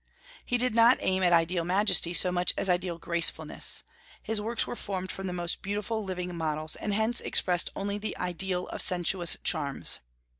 He did not aim at ideal majesty so much as at ideal gracefulness; his works were formed from the most beautiful living models, and hence expressed only the ideal of sensuous charms.